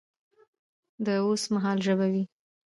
د اوس مهال ژبه وي